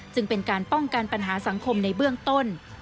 จึงเป็นการป้องกันปัญหาสังคมในเบื้องต้น